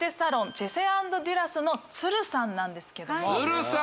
「チェセ＆デュラス」のさんなんですけどもさん！